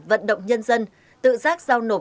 vận động nhân dân tự giác giao nộp